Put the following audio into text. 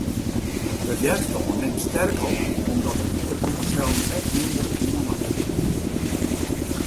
De wjerstân nimt sterk ôf, omdat de wite bloedsellen ek minder oanmakke wurde.